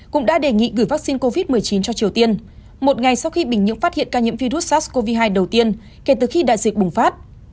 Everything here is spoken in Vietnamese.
cũng đã đề nghị gửi vaccine covid một mươi chín cho triều tiên một ngày sau khi bình nhưỡng phát hiện ca nhiễm virus sars cov hai đầu tiên kể từ khi đại dịch bùng phát